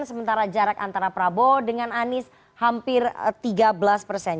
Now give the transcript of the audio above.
sementara jarak antara prabowo dengan anies hampir tiga belas persen